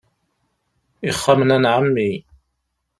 Ixxamen-a n ɛemmi.